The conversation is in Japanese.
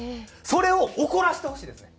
それを怒らせてほしいですね。